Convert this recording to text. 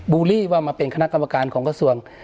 ูลลี่ว่ามาเป็นคณะกรรมการของกระทรวง